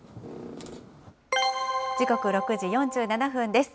時刻、６時４７分です。